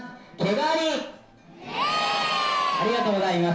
ありがとうございます。